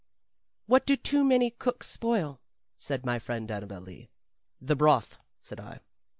"What do too many cooks spoil?" said my friend Annabel Lee. "The broth," said I.